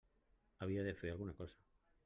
Havia de fer alguna cosa.